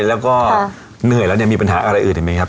แล้วก็เหนื่อยแล้วเนี่ยมีปัญหาอะไรอื่นอีกไหมครับ